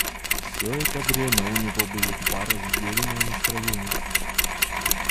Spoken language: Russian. Всё это время у него были два раздельные настроения.